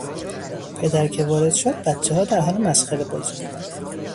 پدر که وارد شد بچهها در حال مسخره بازی بودند.